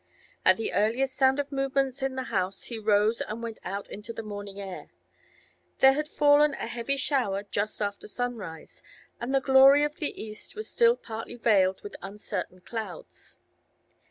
At the earliest sound of movements in the house he rose and went out into the morning air. There had fallen a heavy shower just after sunrise, and the glory of the east was still partly veiled with uncertain clouds.